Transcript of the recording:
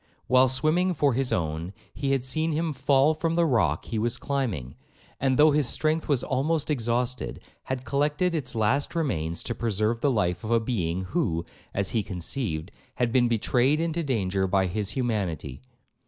While swimming for his own, he had seen him fall from the rock he was climbing, and, though his strength was almost exhausted, had collected its last remains to preserve the life of a being who, as he conceived, had been betrayed into danger by his humanity.